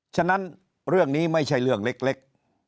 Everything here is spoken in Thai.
ฉะนั้นเรื่องนี้ไม่ใช่เรื่องเล็ก